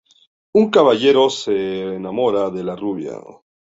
Un caballero se enamora de la rubia.